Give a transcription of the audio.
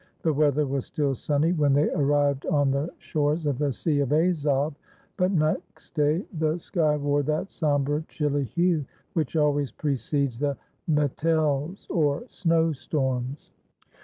The weather was still sunny when they arrived on the shores of the Sea of Azov; but next day the sky wore that sombre chilly hue which always precedes the metels, or snow storms.